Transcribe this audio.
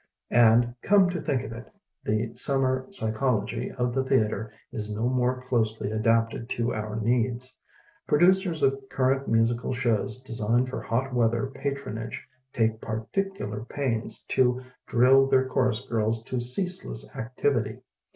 And, come to think of it, the sum mer psychology of the theatre is no more closely adapted to our needs. Producers of current musical shows designed for hot weather patronage take particular pains to drill their choms girls to ceaseless activity.